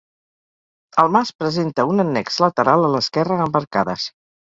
El Mas presenta un annex lateral a l'esquerra amb arcades.